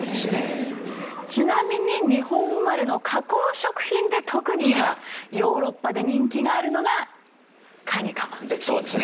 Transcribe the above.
ちなみに日本生まれの加工食品で特に今ヨーロッパで人気があるのがカニカマなんですね。